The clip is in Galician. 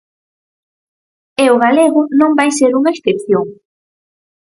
É o galego non vai ser unha excepción.